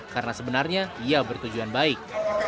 karena sebenarnya ia bertujuan baik